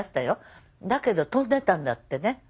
だけど飛んでたんだってね。